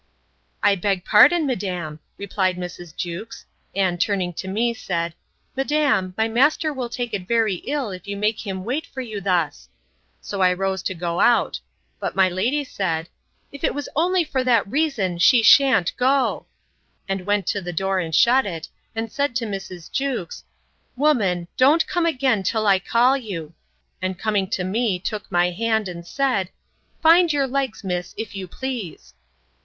I beg pardon, madam, replied Mrs. Jewkes; and, turning to me, said, Madam, my master will take it very ill if you make him wait for you thus. So I rose to go out; but my lady said, If it was only for that reason she shan't go.—And went to the door and shut it, and said to Mrs. Jewkes, Woman, don't come again till I call you; and coming to me, took my hand, and said, Find your legs, miss, if you please.